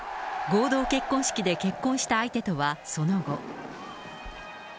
合同結婚式で結婚した相手とは、その後。